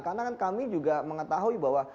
karena kami juga mengetahui bahwa